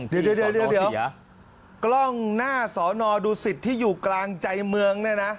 เดี๋ยวกล้องหน้าสอนอดูสิตที่อยู่กลางใจเมืองเนี่ยนะ